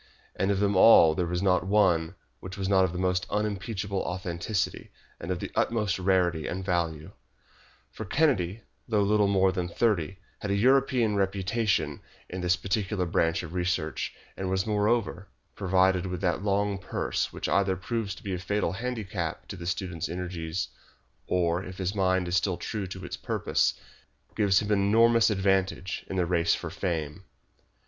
And of them all there was not one which was not of the most unimpeachable authenticity, and of the utmost rarity and value; for Kennedy, though little more than thirty, had a European reputation in this particular branch of research, and was, moreover, provided with that long purse which either proves to be a fatal handicap to the student's energies, or, if his mind is still true to its purpose, gives him an enormous advantage in the race for fame.